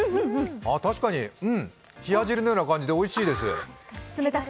確かに冷や汁のような感じでおいしいです。